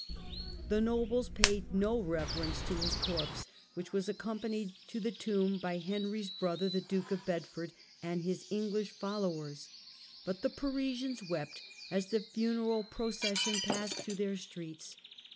The nobles paid no reverence to his corpse, which was accompanied to the tomb by Henry's brother the Duke of Bedford and his English followers : but the Parisians wept as the funeral procession passed through their streets.